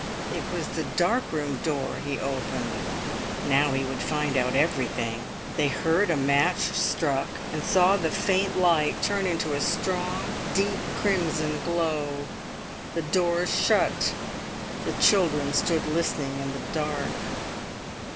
It was the dark room door he opened. Now he would find out everything! They heard a match struck, and saw the faint light turn into a strong deep crimson glow. The door shut. The children stood listening in the dark.